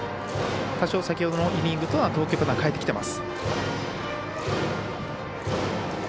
多少先ほどのイニングとは投球間を変えてきています。